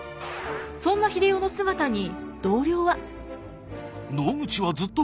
そんな英世の姿に同僚は。